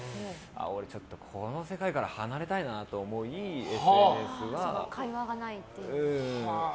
俺ちょっとこの世界から離れたいなと思いＳＮＳはうん。